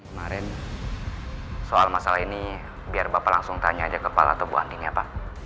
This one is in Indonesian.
kemarin soal masalah ini biar bapak langsung tanya aja kepal atau bu andini ya pak